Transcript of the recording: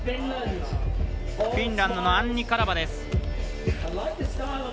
フィンランドのアンニ・カラバ。